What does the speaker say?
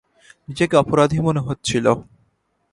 নিজেকে অপরাধী মনে হচ্ছিল।